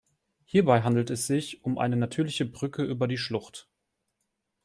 Hierbei handelt es sich um eine natürliche Brücke über die Schlucht.